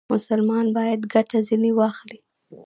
مسلمان باید ګټه ځنې واخلي.